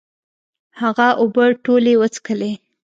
هغه اوبه ټولي وڅکلي